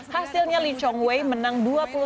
hasilnya lee chong wei menang dua puluh satu